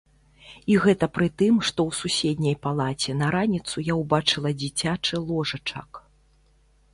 І гэта пры тым, што ў суседняй палаце на раніцу я ўбачыла дзіцячы ложачак.